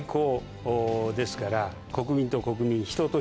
ですから国民と国民。